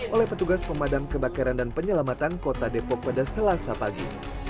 oleh petugas pemadam kebakaran dan penyelamatan kota depok pada selasa pagi